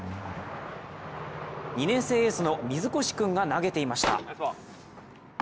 ２年生エースの水越君が投げていました。